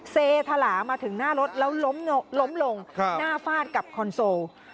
เสถลามาถึงหน้ารถแล้วล้มลงหน้าฟาดกับคอนโซล